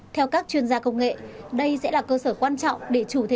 theo các chuyên gia công nghệ đây sẽ là cơ sở quan trọng để chủ thể dữ liệu